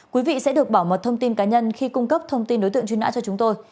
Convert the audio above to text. quý vị sẽ được bảo mật thông tin cá nhân khi cung cấp thông tin đối tượng truy nã cho chúng tôi